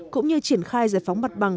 cũng như triển khai giải phóng mặt bằng